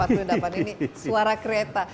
empat puluh delapan ini suara kereta